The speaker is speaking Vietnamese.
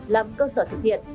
làm cơ sở thực hiện